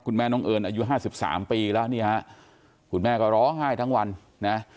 คุณแม่น้องเอิญอายุ๕๓ปีแล้วนี่ฮะคุณแม่ก็ร้องไห้ทั้งวันนะ